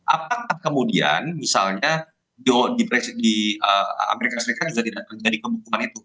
apakah kemudian misalnya amerika serikat juga tidak menjadi kebekuan itu